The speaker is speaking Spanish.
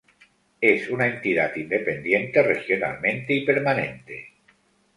Es una entidad independiente regionalmente y permanente.